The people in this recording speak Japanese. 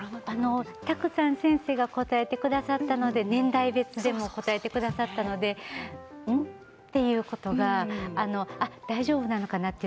たくさん先生が答えてくださったので年代別でも答えてくださったのでうん、ということが大丈夫なのかな